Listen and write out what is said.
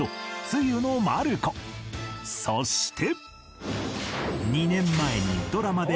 そして